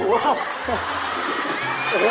โอ้โฮ